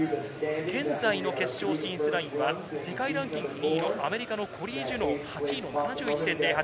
現在の決勝進出ラインは世界ランキング２位のアメリカのコリー・ジュノー、８位の７１．０８。